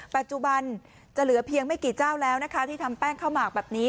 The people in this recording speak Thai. ปัจจุบันจะเหลือเพียงไม่กี่เจ้าแล้วนะคะที่ทำแป้งข้าวหมากแบบนี้